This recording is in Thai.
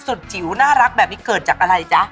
จิ๋วน่ารักแบบนี้เกิดจากอะไรจ๊ะ